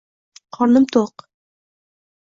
Qornim to'q.